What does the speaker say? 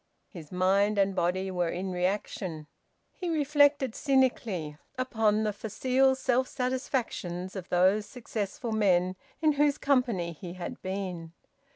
His mind and body were in reaction. He reflected cynically upon the facile self satisfactions of those successful men in whose company he had been.